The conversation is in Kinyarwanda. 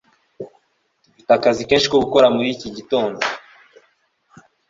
Dufite akazi kenshi ko gukora muri iki gitondo.